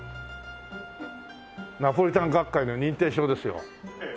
ナポリタン学会の認定証ですよ。